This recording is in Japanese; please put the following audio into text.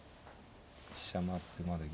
飛車回ってまだ銀。